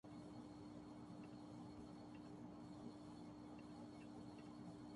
میں ایک کمرہ بک کرانا چاحو گا